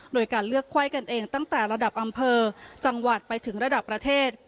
โดยการเลือกไข้กันเองตั้งแต่ระดับอำเภอจังหวัดไปถึงระดับประเทศ